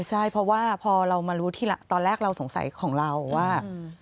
ใช่เพราะว่าพอเรามารู้ที่ตอนแรกเราสงสัยของเราว่า